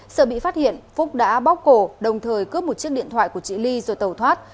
sợ bị phát hiện phúc đã bóc cổ đồng thời cướp một chiếc điện thoại của chị ly rồi tẩu thoát